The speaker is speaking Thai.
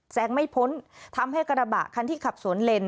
แซงไม่พ้นทำให้กระบะคันที่ขับสวนเลน